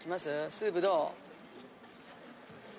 スープどう？